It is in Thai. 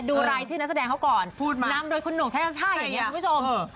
ดูรายชื่อนักแสดงเขาก่อนนำโดยคุณโหน่งแท่ชาติอย่างนี้คุณผู้ชม